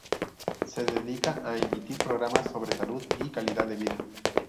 Se dedica a emitir programas sobre salud y calidad de vida.